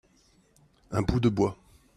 un bout de bois.